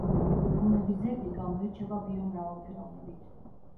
ბუნების ძეგლი გამოირჩევა ბიომრავალფეროვნებით.